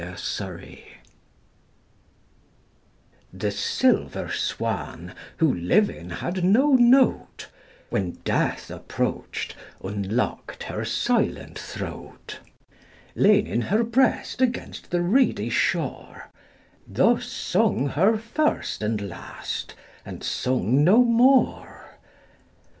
6 Autoplay The silver swan, who living had no note, When death approach'd, unlock'd her silent throat; Leaning her breast against the reedy shore, Thus sung her first and last, and sung no more.